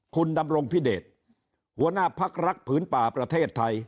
คุณดำรงพิเดชหัวหน้าพักรักผืนป่าประเทศไทย